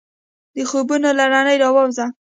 د خوبونو له نړۍ راووځه !